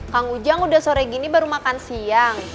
kang ujang udah sore gini baru makan siang